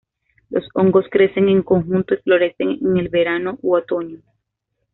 Los hongos crecen en conjunto y florecen en el verano u otoño.